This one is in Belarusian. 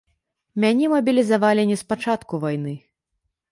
Мяне мабілізавалі не спачатку вайны.